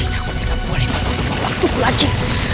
mengambil waktuku lagi